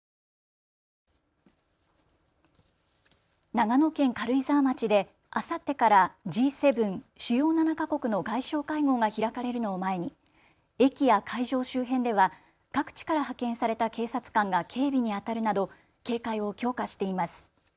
長野県軽井沢町であさってからＧ７・主要７か国の外相会合が開かれるのを前に駅や会場周辺では各地から派遣された警察官が警備にあたるなど警戒を強化しています。